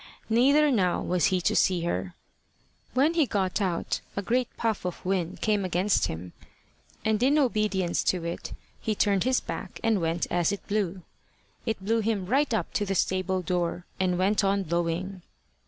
Neither now was he to see her. When he got out, a great puff of wind came against him, and in obedience to it he turned his back, and went as it blew. It blew him right up to the stable door, and went on blowing.